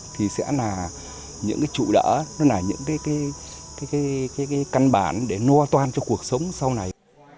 thì sẽ là những trụ đỡ những căn bản để no toan cho cuộc sống sau này